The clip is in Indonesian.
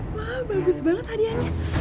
wah bagus banget hadiahnya